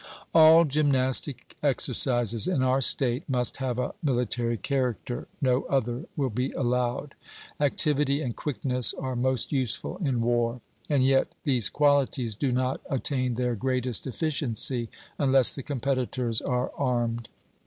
All gymnastic exercises in our state must have a military character; no other will be allowed. Activity and quickness are most useful in war; and yet these qualities do not attain their greatest efficiency unless the competitors are armed.